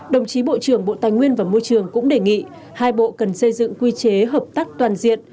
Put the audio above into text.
đồng chí bộ trưởng bộ tài nguyên và môi trường cũng đề nghị hai bộ cần xây dựng quy chế hợp tác toàn diện